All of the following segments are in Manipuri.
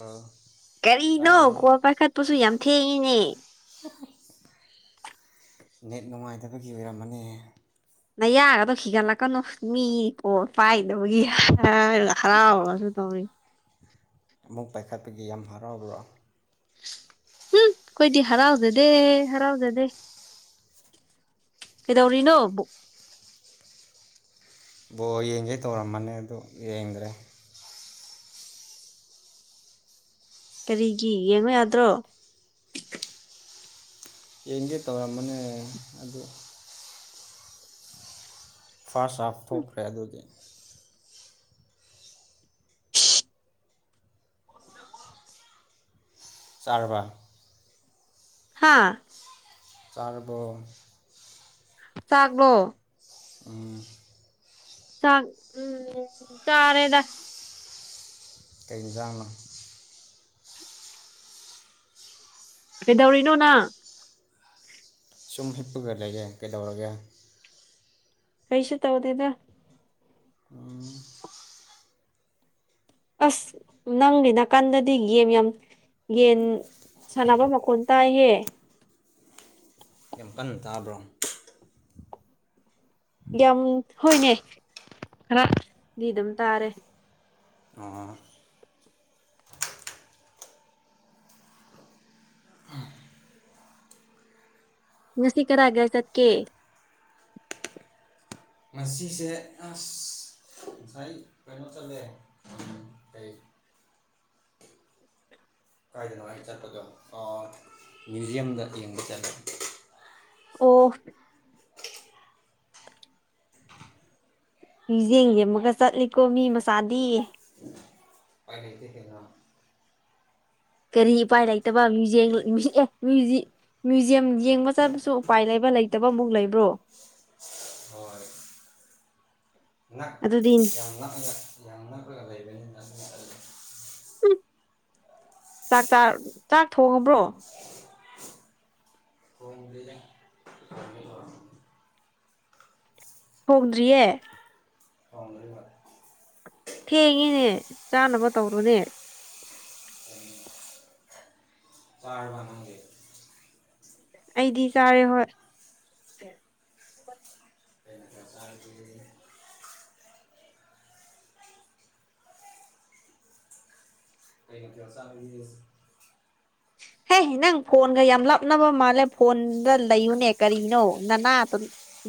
ꯑ ꯀꯔꯤꯅꯣ ꯇꯥꯕ꯭ꯔꯣ ꯀ꯭ꯋꯥ ꯄꯥꯏꯈꯠꯄꯁꯨ ꯌꯥꯝ ꯊꯦꯡꯉꯤꯅꯦ ꯅꯦꯠ ꯅꯨꯡꯉꯥꯏꯇꯕꯒꯤ ꯑꯣꯏꯔꯝꯃꯅꯤ ꯅꯌꯥꯒꯗꯣ ꯈꯤꯒꯠꯂꯛꯀꯅꯨ ꯃꯤ ꯄꯣꯠ ꯄꯥꯏꯗꯕꯒꯤ ꯍꯔꯥꯎꯔꯁꯨ ꯇꯧꯔꯤ ꯑꯃꯨꯛ ꯄꯥꯏꯈꯠꯄꯒꯤ ꯌꯥꯝ ꯍꯔꯥꯎꯕ꯭ꯔꯥ ꯎꯝ ꯀꯣꯏꯗꯤ ꯍꯔꯥꯎꯖꯦꯗꯦ ꯍꯔꯥꯎꯖꯦꯗꯦ ꯀꯩꯗꯧꯔꯤꯅꯣ ꯕ ꯌꯦꯡꯖꯩ ꯇꯧꯔꯝꯃꯅꯤ ꯑꯗꯨ ꯌꯦꯡꯗ꯭ꯔꯦ ꯀꯔꯤꯒꯤ ꯌꯦꯡꯕ ꯌꯥꯗ꯭ꯔꯣ ꯌꯦꯡꯗꯦ ꯇꯧꯔꯝꯕꯅꯦ ꯑꯗꯨ ꯐꯥꯔꯁ ꯑꯥꯐ ꯊꯣꯛꯈ꯭ꯔꯦ ꯑꯗꯨꯗꯤ ꯎ ꯆꯥꯔꯕꯥ ꯍꯥꯥ ꯆꯥꯔꯕꯣ ꯆꯥꯛꯂꯣ ꯎꯝ ꯆ ꯎꯝ ꯆꯔꯦꯗ ꯀꯩꯖꯥꯡꯅꯣ ꯀꯩꯗꯧꯔꯤꯅꯣꯅ ꯁꯨꯝ ꯍꯤꯞꯄꯒ ꯂꯩꯒꯦ ꯀꯩꯗꯧꯔꯒꯦ ꯀꯩꯁ ꯇꯧꯗꯗ꯭ꯔꯥ ꯎꯝ ꯑꯁ ꯅꯪꯒꯤ ꯅꯥꯀꯥꯟꯗꯗꯤ ꯒꯦꯝ ꯌꯥꯝ ꯌꯦꯟ ꯁꯥꯟꯅꯕ ꯃꯈꯣꯟ ꯇꯥꯏꯍꯦ ꯌꯥꯝ ꯀꯟꯅ ꯇꯥꯕ꯭ꯔꯣ ꯌꯥꯝ ꯍꯣꯏꯅꯦ ꯈꯔꯗꯤ ꯑꯗꯨꯝ ꯇꯥꯔꯦ ꯑ ꯉꯁꯤ ꯀꯅꯒ ꯆꯠꯀꯦ ꯃꯁꯤꯁꯦ ꯑꯁ ꯉꯁꯥꯏ ꯀꯩꯅꯣ ꯆꯠꯂꯦ ꯀꯩ ꯀꯥꯏꯗꯅꯣ ꯍꯥꯏ ꯆꯠꯄꯗꯣ ꯃ꯭ꯌꯨꯖ꯭ꯌꯝꯗ ꯌꯦꯡꯕ ꯆꯠꯂꯦ ꯑꯣꯐ ꯃꯤꯌꯦꯡ ꯌꯦꯡꯃꯒ ꯆꯠꯂꯤꯀꯣ ꯃꯤ ꯃꯆꯥꯗꯤ ꯑꯥꯏ ꯂꯩꯗꯤꯦꯅ ꯀꯔꯤ ꯏꯄꯥꯏ ꯂꯩꯇꯕ ꯃ꯭ꯌꯨꯛ ꯃ꯭ꯌꯨꯖꯌꯝ ꯌꯦꯡꯕ ꯆꯠꯄꯁꯨ ꯎꯄꯥꯏ ꯂꯩꯕ ꯂꯩꯇꯕ ꯑꯃꯨꯛ ꯂꯩꯕ꯭ꯔꯣ ꯍꯣꯏ ꯅꯛ ꯑꯗꯨꯗꯤ ꯌꯥꯝ ꯅꯛꯑꯒ ꯌꯥꯝ ꯅꯛꯄꯒ ꯂꯩꯕꯅꯤꯅꯅ ꯆꯥꯛ ꯆꯥꯛ ꯊꯣꯡꯉꯕ꯭ꯔꯣ ꯊꯣꯏ ꯂꯤꯗ ꯊꯃꯦ ꯍꯣꯡꯗ꯭ꯔꯤꯌꯦ [unintelligible] ꯊꯦꯡꯉꯤꯅꯦ ꯆꯥꯅꯕ ꯇꯧꯔꯨꯅꯦ ꯎꯝ ꯄꯥꯔ ꯋꯥꯅꯦ ꯑꯩꯗꯤ ꯆꯥꯔꯦ ꯍꯣꯏ [inaudible] [inaudible] ꯍꯦ ꯅꯪ ꯐꯣꯟꯒ ꯌꯥꯝ ꯂꯥꯞꯅꯕ ꯃꯥꯜꯂꯦ ꯐꯣꯟꯗ ꯂꯩꯌꯨꯅꯦ ꯀꯔꯤꯅꯣ ꯅꯅꯥ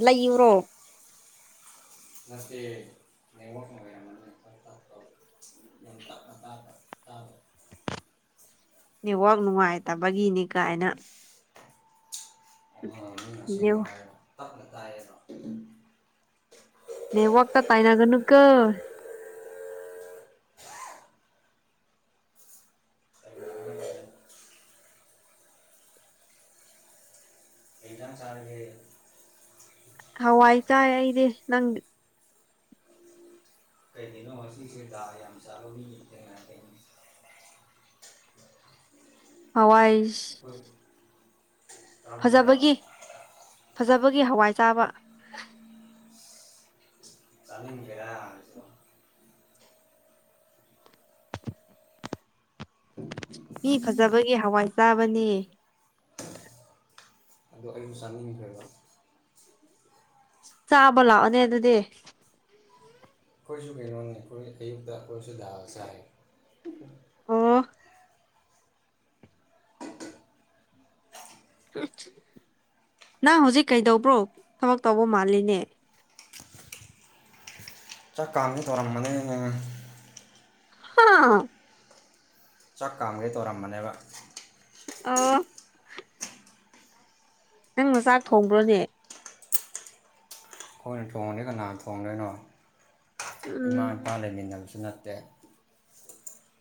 ꯂꯩ ꯌꯕ꯭ꯔꯣ [unintelligible] [unintelligible] [unintelligible] ꯇꯥꯗ꯭ꯔꯣ ꯅꯦꯠꯋꯥꯛ ꯅꯨꯡꯉꯥꯏꯇꯕꯒꯤꯅꯤ ꯀꯥꯏꯅ ꯑꯣ ꯃꯤꯅ ꯑꯁꯦꯡꯕ [unintelligible] ꯍꯥꯏꯕ ꯇꯞꯅ ꯇꯥꯏ ꯍꯥꯏꯔꯣ ꯅꯦꯠꯋꯥꯛꯇ ꯇꯥꯏꯅꯒꯅꯨ ꯀꯣ ꯀꯩꯒꯤꯅꯣ ꯀꯩ ꯀꯔꯤ ꯏꯟꯁꯥꯡ ꯆꯥꯔꯒꯦ ꯍꯋꯥꯏ ꯆꯥꯏ ꯑꯩꯗꯤ ꯅꯪꯗꯤ ꯀꯩꯒꯤꯅꯣ ꯉꯁꯤ [unintelligible] ꯍꯋꯥꯏ ꯀꯔꯝꯕ ꯐꯖꯕꯒꯤ ꯗꯥꯜꯅꯣ ꯐꯖꯕꯒꯤ ꯍꯋꯥꯏ ꯆꯥꯕ [unintelligible] ꯃꯤ ꯐꯖꯕꯒꯤ ꯍꯋꯥꯏ ꯆꯥꯕꯅꯦ ꯑꯗꯣ ꯑꯩꯁꯨ ꯆꯥꯅꯤꯡꯈ꯭ꯔꯦꯕ ꯆꯥꯕ ꯂꯥꯛꯑꯣꯅꯦ ꯑꯗꯨꯗꯤ ꯑꯩꯈꯣꯁꯨ ꯛꯩꯅꯣ [unintelligible] ꯑꯣꯏꯣꯏꯁꯨ ꯗꯥꯜ ꯆꯥꯏꯌꯦ [unintelligible] ꯑꯣ ꯅꯪꯠꯍꯧꯖꯤꯛ ꯀꯩꯗꯧꯕ꯭ꯔꯣ ꯊꯕꯛ ꯇꯧꯕ ꯃꯥꯜꯂꯤꯅꯦ ꯆꯥꯛ ꯀꯥꯝꯒꯦ ꯇꯧꯔꯝꯕꯅꯦ ꯍꯥꯥ ꯆꯥꯛ ꯀꯥꯝꯒꯦ ꯇꯧꯔꯝꯕꯅꯦꯕ ꯑꯣ ꯅꯪ ꯅ ꯆꯥꯛ ꯊꯣꯡꯕ꯭ꯔꯣꯅꯦ ꯑꯩꯈꯣꯏꯅ ꯊꯣꯡꯗ꯭ꯔꯗꯤ ꯀꯅꯥꯅ ꯊꯣꯡꯗꯣꯏꯅꯣ ꯏꯃꯥ ꯏꯄꯥ ꯎꯝ ꯂꯩꯃꯤꯟꯅꯕꯁꯨ ꯅꯠꯇꯦ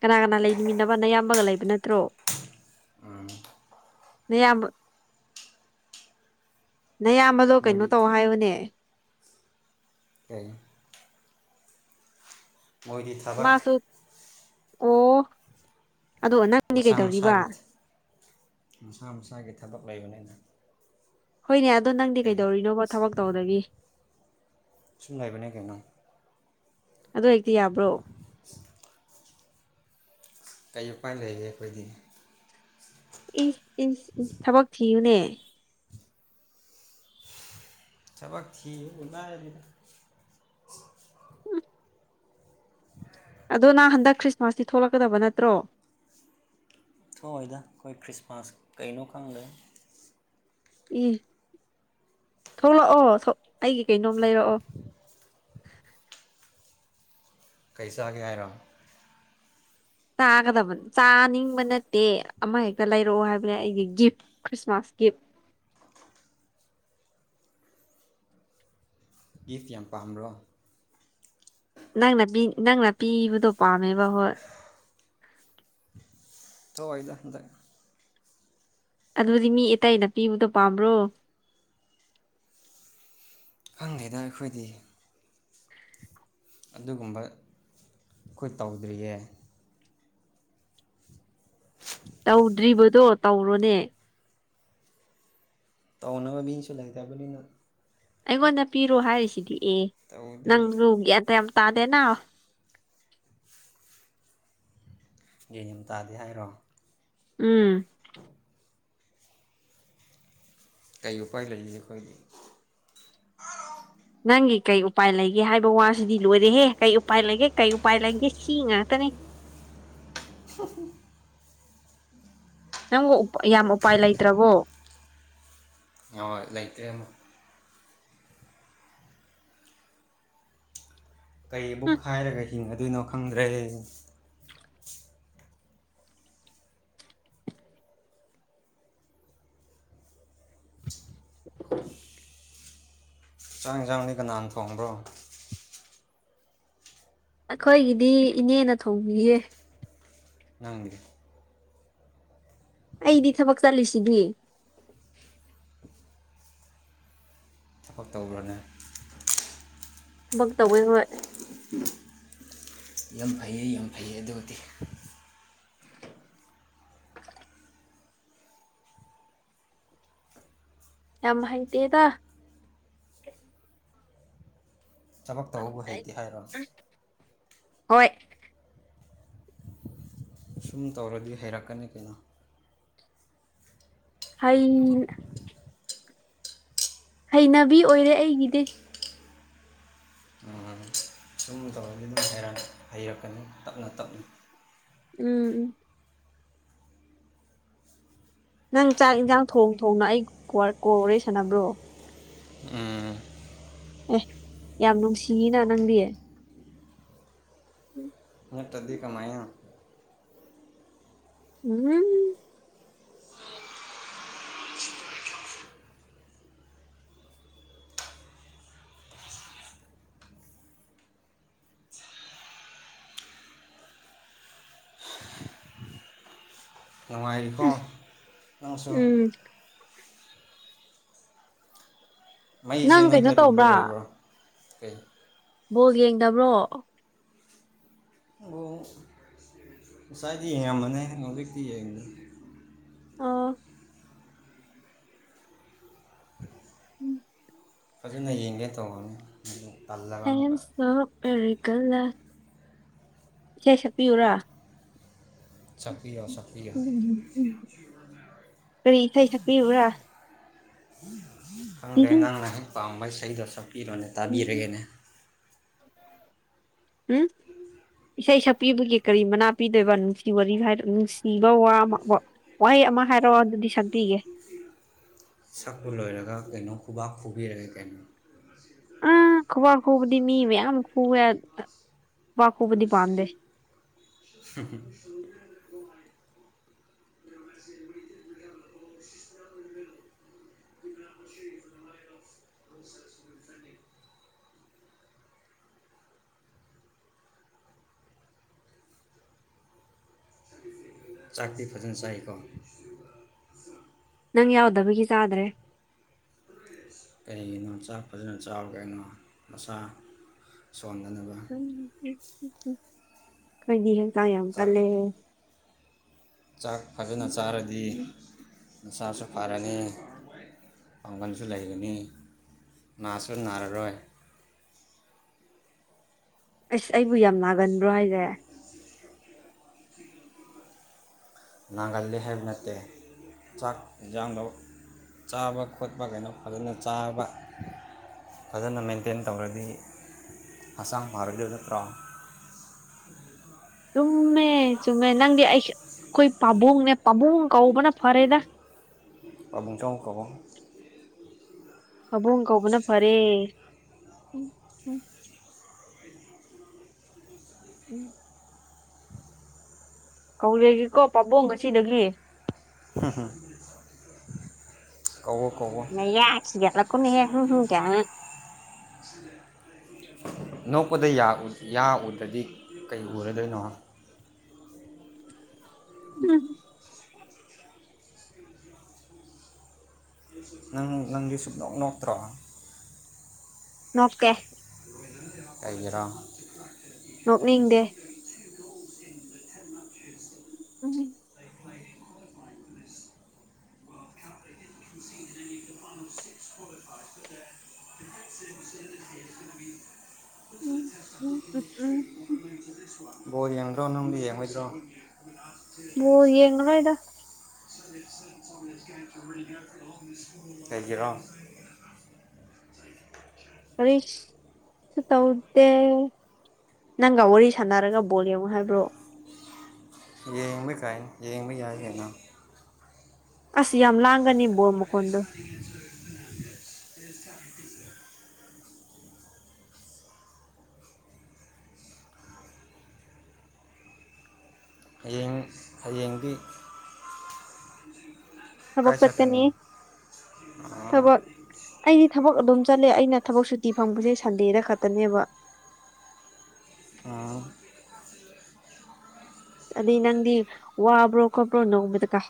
ꯀꯅꯥ ꯀꯅꯥ ꯂꯩꯃꯤꯟꯅꯕ ꯑꯌꯥꯝꯕꯒ ꯂꯩꯕ ꯅꯠꯇ꯭ꯔꯣ ꯅꯌꯥꯝꯕ ꯅꯌꯥꯝꯕꯗꯣ ꯀꯩꯅꯣ ꯃꯣꯏꯗꯤ ꯇꯧ ꯍꯥꯏꯌꯣꯅꯦ ꯀꯩ ꯃꯣꯏꯗꯤ ꯊꯕꯛ ꯃꯥꯁꯨ ꯑꯣ ꯑꯗꯣ ꯅꯪ ꯃꯁꯥ ꯃꯁꯥꯒꯤ ꯃꯁꯥ ꯃꯁꯥꯒꯤ ꯊꯕꯛ ꯂꯩꯕꯅꯤꯅ ꯍꯣꯏꯅꯦ ꯑꯗꯣ ꯅꯪꯗꯤ ꯀꯩ ꯀꯩꯗꯧꯔꯤꯅꯣꯕ ꯊꯕꯛ ꯇꯧꯗꯒꯤ ꯁꯨꯝ ꯂꯩꯕꯅꯦ ꯀꯩꯅꯣ ꯑꯗꯨ ꯍꯦꯛꯇ ꯌꯥꯕ꯭ꯔꯣ ꯀꯔꯤ ꯃꯄꯥꯏ ꯂꯩꯒꯦ ꯑꯩꯈꯣꯏꯗꯤ [unintelligible] ꯊꯕꯛ ꯊꯤꯌꯨꯅꯦ ꯊꯕꯛ ꯊꯤꯕꯕꯨ ꯏꯃꯥꯏ ꯄꯦꯃ ꯑꯗꯣ ꯅꯪ ꯍꯟꯗꯛ ꯈ꯭ꯔꯤꯁꯃꯥꯁꯇꯤ ꯊꯣꯛꯂꯛꯀꯗꯕ ꯅꯠꯇ꯭ꯔꯣ ꯊꯣꯛꯑꯣꯏꯗ ꯑꯩꯈꯣꯏ ꯈ꯭ꯔꯤꯁꯃꯥꯁ ꯀꯩꯅꯣ ꯈꯪꯗꯦ ꯏ ꯊꯣꯛꯂꯛꯑꯣ ꯑꯩꯒꯤ ꯀꯩꯅꯣꯝ ꯂꯩꯔꯛꯑꯣ ꯀꯩ ꯆꯥꯒꯦ ꯍꯥꯏꯔꯣ ꯆꯥꯒꯗꯕ ꯆꯥꯅꯤꯡꯕ ꯅꯠꯇꯦ ꯑꯃꯍꯦꯛꯇ ꯂꯩꯔꯛꯑꯣ ꯍꯥꯏꯕꯅꯦ ꯑꯩꯒꯤ ꯒꯤꯐ ꯈ꯭ꯔꯤꯁꯃꯥꯁꯀꯤ ꯒꯤꯐ ꯒꯤꯐ ꯌꯥꯝ ꯄꯥꯝꯕ꯭ꯔꯣ ꯅꯪꯅ ꯅꯪꯅ ꯄꯤꯕꯗꯣ ꯄꯥꯝꯃꯦꯕ ꯍꯣꯏ ꯊꯣꯛꯑꯣꯏꯗꯥ ꯍꯟꯇꯛ ꯑꯗꯨꯗꯤ ꯃꯤ ꯑꯇꯩꯅ ꯄꯤꯕꯗꯣ ꯄꯥꯝꯕ꯭ꯔꯣ ꯈꯪꯗꯦꯗ ꯑꯩꯈꯣꯏꯗꯤ ꯑꯗꯨꯒꯨꯝꯕ ꯑꯩꯈꯣꯏ ꯇꯧꯗ꯭ꯔꯤꯌꯦ [inaudible] ꯇꯧꯗ꯭ꯔꯤꯕꯗꯣ ꯇꯧꯔꯣꯅꯦ ꯇꯧꯅꯕ ꯃꯤꯅꯁꯨ ꯂꯩꯇꯕꯅꯤꯅ ꯑꯩꯉꯣꯟꯗ ꯄꯤꯔꯣ ꯍꯥꯏꯔꯤꯁꯤꯗꯤ ꯑꯦ ꯇꯧꯗ꯭ꯔꯤ ꯅꯪ ꯂꯨ ꯒ꯭ꯌꯥꯟ ꯇ ꯌꯥꯝ ꯇꯥꯗꯦꯅ ꯌꯦꯅꯤꯝ ꯇꯥꯗꯦ ꯍꯥꯏꯔꯣ ꯎꯝ ꯀꯩ ꯎꯄꯥꯢ ꯂꯩꯔꯤ ꯑꯩꯈꯣꯏꯗꯤ ꯅꯪꯒꯤ ꯀꯩ ꯎꯄꯥꯏ ꯂꯩꯒꯦ ꯍꯥꯏꯕ ꯋꯥꯁꯤꯗꯤ ꯂꯣꯏꯔꯦꯍꯦ ꯀꯩ ꯎꯄꯥꯏ ꯂꯩꯒꯦ ꯀꯩ ꯎꯄꯥꯏ ꯂꯩꯒꯦ ꯁꯤ ꯉꯥꯛꯇꯅꯤ [unintelligible] ꯅꯪꯕꯨ ꯎꯞ ꯌꯥꯝ ꯎꯄꯥꯏ ꯂꯩꯇ꯭ꯔꯕꯣ ꯍ ꯂꯩꯇꯦ ꯑꯃ ꯀꯩ ꯍꯨꯝ ꯃꯨꯛ ꯍꯥꯏꯔꯒ ꯍꯤꯡꯉꯗꯣꯏꯅꯣ ꯈꯪꯗ꯭ꯔꯦ [inaudible] ꯆꯥꯛ ꯌꯦꯟꯁꯥꯡꯗꯤ ꯀꯅꯥꯅ ꯊꯣꯡꯕ꯭ꯔꯣ ꯑꯩꯈꯣꯏꯒꯤꯗꯤ ꯏꯅꯦꯅ ꯊꯣꯡꯕꯤꯌꯦꯦ ꯅꯪ ꯑꯩꯗꯤ ꯊꯕꯛ ꯆꯠꯂꯤꯁꯤꯗꯤ ꯊꯕꯛ ꯇꯧꯈ꯭ꯔꯅꯦ ꯊꯕꯛ ꯇꯧꯧꯕꯦ ꯍꯣꯏ ꯌꯥꯝ ꯐꯩꯌꯦ ꯌꯥꯝ ꯐꯩꯌꯦ ꯑꯗꯨꯕꯨꯗꯤ [inaudible] ꯌꯥꯝ ꯍꯩꯇꯦꯗ ꯊꯥꯕꯛ ꯇꯧꯕ ꯍꯩꯇꯦ ꯍꯥꯏꯔꯣ ꯍꯣꯏ ꯁꯁꯨꯝ ꯇꯧꯔꯗꯤ ꯍꯩꯔꯛꯀꯅꯤ ꯀꯩꯅꯣ ꯑꯩ ꯍꯩꯅꯕꯤ ꯑꯣꯏꯔꯦ ꯑꯩꯒꯤꯗꯤ ꯁꯨꯝꯕ ꯇꯧꯔꯗꯤ ꯑꯗꯨꯝ ꯍꯩꯔꯛ ꯍꯩꯔꯛꯀꯅꯤ ꯇꯞꯅ ꯇꯞꯅ ꯎꯝ ꯎꯝ ꯅꯪ ꯆꯥꯛ ꯏꯟꯁꯥꯡ ꯊꯣꯡ ꯊꯣꯡꯅ ꯑꯩ ꯋꯥꯜ ꯀꯣꯜ ꯋꯔꯤ ꯁꯅꯕ꯭ꯔꯣ ꯑꯦ ꯌꯥꯝ ꯅꯨꯡꯁꯤꯅ ꯅꯪꯗꯤ [inaudible] ꯅꯠꯇꯗꯤ ꯀꯃꯥꯏꯅ ꯎꯝ ꯅꯨꯡꯉꯥꯏꯔꯤꯀꯣ ꯅꯪꯁꯨ ꯎꯝ ꯃꯩꯁꯦ ꯅꯪ ꯀꯩꯅꯣ ꯅꯣꯏꯗ ꯔꯤꯒꯨꯂꯔ ꯇꯧꯕ꯭ꯔꯥ ꯑꯣꯏꯕ꯭ꯔꯥ ꯀꯩ ꯕꯣꯜ ꯌꯦꯡꯗꯕ꯭ꯔꯣ ꯑꯣ [unintelligible] ꯉꯁꯥꯏꯗꯤ ꯌꯦꯡꯉꯝꯕꯅꯦ ꯍꯧꯖꯤꯛꯇꯤ ꯌꯦꯡꯗꯦ ꯑꯥꯎꯝ ꯎꯝ ꯐꯖꯅ ꯌꯦꯡꯒꯦ ꯇꯧꯕꯔꯅꯤ ꯑꯗꯨ ꯄꯜꯂ ꯑꯏ ꯑꯦꯝ ꯁꯣ ꯄꯦꯔꯤꯒꯜꯂ ꯏꯁꯩ ꯁꯛꯄꯤꯌꯨꯔꯥ ꯆꯄꯤ ꯌꯥ ꯎꯝ ꯎꯝ ꯀꯔꯤ ꯏꯁꯩ ꯁꯛꯄꯤ꯭ꯕꯔꯥ ꯈꯪꯗ꯭ꯔꯦ ꯅꯪꯅ ꯍꯦꯛ ꯄꯥꯝꯕꯩ ꯏꯁꯩꯗꯣ ꯁꯛꯄꯤꯔꯣꯅꯦ ꯎꯝ ꯇꯥꯕꯤꯔꯒꯦꯅꯦ [unintelligible] ꯏꯁꯩ ꯁꯛꯄꯤꯕꯒꯤ ꯀꯔꯤ ꯃꯅꯥ ꯄꯤꯗꯣꯏꯕ ꯅꯨꯡꯁꯤ ꯋꯥꯔꯤ ꯍꯥꯏꯔ ꯅꯨꯡꯁꯤꯕ ꯋꯥ ꯑꯃꯀꯣ ꯋꯥꯍꯩ ꯑꯃ ꯍꯥꯏꯔꯛꯑꯣ ꯑꯗꯨꯗꯤ ꯁꯛꯄꯤꯒꯦ ꯁꯛꯄ ꯂꯣꯏꯔꯒ ꯀꯩꯅꯣ ꯈꯨꯕꯥꯛ ꯈꯨꯕꯤꯔꯒꯦ ꯀꯩꯅꯣ ꯎꯝ ꯈꯕꯥꯛ ꯈꯨꯕꯗꯤ ꯃꯤ ꯃꯌꯥꯝ ꯈꯨꯕ ꯌꯥꯏ ꯈꯨꯕꯥꯛ ꯈꯨꯕꯗꯤ ꯄꯥꯗꯦ [unintelligible] ꯃ ꯁꯦꯅꯤ ꯄꯨ ꯂꯁꯤꯁ ꯑꯣꯏꯒ [inaudible] ꯅꯪ ꯆꯔꯁ ꯑꯗꯨꯝ ꯆꯠꯂꯤ ꯆꯥꯛꯇꯤ ꯐꯖꯅ ꯁꯥꯏꯀꯣ ꯑꯗꯨꯒ ꯅꯪ ꯌꯥꯎꯗꯕꯒꯤ ꯆꯥꯗ꯭ꯔꯦ ꯀꯩꯔꯤꯒꯤꯅꯣ ꯆꯥꯛ ꯐꯖꯅ ꯆꯥꯎꯕ꯭ꯔꯣ ꯅꯪ ꯅꯁꯥ ꯁꯣꯟꯗꯅꯕ ꯎ ꯀꯩꯒꯤ ꯍꯛꯆꯥꯡ ꯌꯥꯝ ꯆꯥꯛ ꯀꯜꯂꯦꯍꯦ ꯆꯥꯛ ꯐꯖꯅ ꯆꯥꯔꯗꯤꯅꯁꯥꯁꯨ ꯐꯔꯅꯤ ꯄꯥꯡꯒꯜꯁꯨ ꯂꯩꯒꯅꯤ ꯅꯥꯁꯨ ꯅꯥꯔꯔꯣꯏ ꯑꯁ ꯑꯩꯕꯨ ꯌꯥꯝ ꯅꯥꯒꯟꯕ꯭ꯔꯣ ꯍꯥꯏꯁꯦ ꯅꯥꯒꯥꯜꯂꯦ ꯍꯥꯏꯕ ꯅꯠꯇꯦ ꯆꯥꯛ ꯏꯟꯖꯥꯡꯗꯣ ꯆꯥꯕ ꯈꯣꯠꯄ ꯀꯩꯅꯣ ꯐꯖꯅ ꯆꯥꯕ ꯐꯖꯅ ꯃꯦꯟꯇꯦꯟ ꯇꯧꯔꯗꯤ ꯍꯛꯆꯥꯡ ꯐꯔꯗꯤ ꯅꯠꯇ꯭ꯔꯣ [inaudible] ꯆꯨꯝꯃꯦ ꯆꯨꯝꯃꯦ ꯅꯪꯗꯤ ꯑꯩ ꯑꯩꯈꯣꯏ ꯄꯥꯕꯨꯡꯅꯦ ꯄꯥꯕꯨꯡ ꯀꯧꯕꯅ ꯐꯔꯦꯗ ꯑꯃꯨꯖꯥꯎ ꯀꯩꯋꯣ ꯑꯕꯨꯡ ꯀꯧꯕꯅ ꯐꯔꯦ [unintelligible] ꯎꯝ ꯀꯧꯔꯒꯦꯀꯣ ꯄꯥꯕꯨꯡ ꯉꯁꯤꯗꯒꯤ ꯎꯝ ꯍꯝ [unintelligible] ꯀꯧꯑꯣ ꯀꯧ ꯑꯣ ꯅ ꯌꯥꯁꯤꯒ ꯈꯤꯒꯠꯂꯛ꫰ꯀꯅꯨꯍꯦ [unintelligible] ꯅꯣꯛꯄꯗ ꯌꯥ ꯎꯗ꯭ꯔꯗꯤ ꯀꯩ ꯎꯔꯗꯣꯏꯅꯣ ꯎꯝ [inaudible] ꯅꯪ ꯅꯪꯗꯤ ꯁꯨꯛꯅꯣꯛ ꯅꯣꯛꯇ꯭ꯔꯣ ꯅꯣꯛꯇꯦ ꯑꯩꯅꯔ [unintelligible] ꯅꯣꯛꯅꯤꯡꯗꯦ ꯎꯝ ꯇ ꯐꯥꯏ [inaudible] [inaudible] ꯁ [inaudible] ꯕꯣꯂ ꯌꯦꯡꯗ꯭ꯔꯣ ꯅꯨꯡꯗꯤ ꯌꯦꯡꯉꯣꯏꯗ꯭ꯔꯣ ꯕꯣꯜ ꯌꯦꯡꯉꯥꯔꯣꯏꯗ ꯀꯩꯒꯤꯔꯣ ꯀꯔꯤ ꯁꯨ ꯇꯧꯗꯦ ꯅꯪꯒ ꯋꯥꯔꯤ ꯁꯥꯟꯅꯔꯒ ꯣꯜꯂꯦꯕꯣ ꯍꯥꯏꯕ꯭ꯔꯣ ꯌꯦꯡꯕ ꯀꯥꯏ ꯌꯦꯡꯕ ꯌꯥꯏ ꯍꯦꯅꯥ ꯑꯁ ꯌꯥꯝ ꯂꯥꯡꯒꯅꯤꯕꯣ ꯕꯣꯜ ꯃꯈꯣꯟꯗꯣ [inaudible] ꯍꯌꯦꯡ ꯍꯌꯦꯡꯗꯤ ꯊꯕꯛ ꯀꯥꯏ ꯆꯥꯀꯥꯅꯤ ꯆꯠꯀꯅꯤ ꯊꯕꯛ ꯑꯩꯗꯤ ꯊꯕꯛ ꯑꯗꯨꯝ ꯆꯠꯂꯦ ꯑꯩꯅ ꯊꯕꯛ ꯁꯨꯇꯤ ꯐꯪꯕꯖꯦ ꯁꯟꯗꯦꯗ ꯈꯛꯇꯅꯦꯕ ꯑꯥ [inaudible] ꯑꯗꯩ ꯅꯪꯗꯤ ꯋꯥꯕ꯭ꯔꯣ ꯈꯣꯠꯄ꯭ꯔꯣ ꯅꯣꯡꯃꯗꯥꯒ ꯍꯪꯪ